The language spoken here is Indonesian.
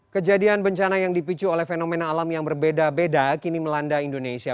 kejadian bencana yang dipicu oleh fenomena alam yang berbeda beda kini melanda indonesia